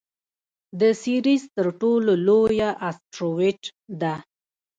د سیریز تر ټولو لویه اسټرويډ ده.